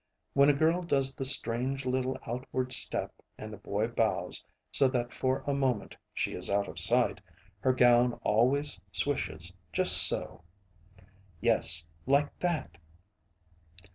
When a girl does the strange little outward step, and the boy bows, so that for a moment she is out of sight, her gown always swishes just so. Yes, like that!